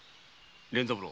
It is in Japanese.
連三郎